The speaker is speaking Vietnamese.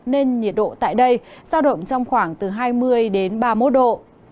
nên nhiệt độ tại đây giao động trong khoảng hai mươi ba mươi một độ